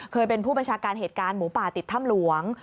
ผู้บัญชาการเหตุการณ์หมูป่าติดถ้ำหลวง